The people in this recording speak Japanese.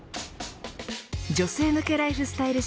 女性向けライフスタイル